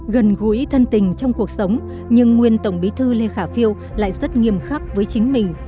gần gũi thân tình trong cuộc sống nhưng nguyên tổng bí thư lê khả phiêu lại rất nghiêm khắc với chính mình